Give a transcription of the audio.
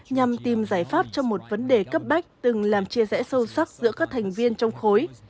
nhằm tìm giải pháp cho một vấn đề cấp bách từng làm chia rẽ sâu sắc giữa các thành viên trong khối